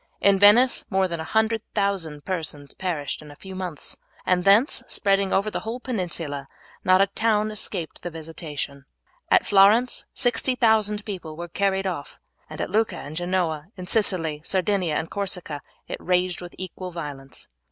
In Venice more than 100,000 persons perished in a few months, and thence spreading over the whole peninsula, not a town escaped the visitation. At Florence 60,000 people were carried off, and at Lucca and Genoa, in Sicily, Sardinia, and Corsica it raged with equal violence.